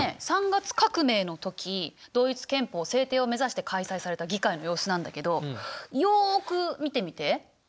３月革命の時ドイツ憲法制定を目指して開催された議会の様子なんだけどよく見てみて。